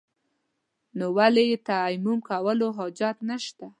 نو ولې يې تيمم کولو حاجت نشته.